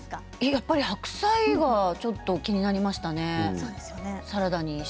やっぱり白菜がちょっと気になりましたね。